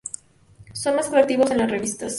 Son más atractivos en las revistas.